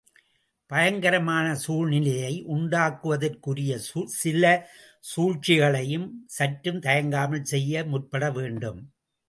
பயங்கரமான சூழ்நிலையை உண்டாக்குவதற்கு உரிய சில சூழ்ச்சிகளையும் சற்றும் தயங்காமல் செய்ய முற்பட வேண்டும்.